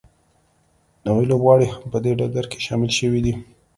نوي لوبغاړي هم په دې ډګر کې شامل شوي دي